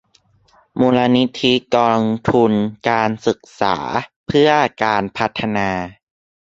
มูลนิธิกองทุนการศึกษาเพื่อการพัฒนา